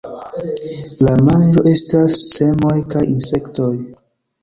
La manĝo estas semoj kaj insektoj.